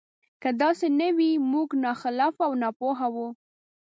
که داسې نه وي موږ ناخلفه او ناپوهه وو.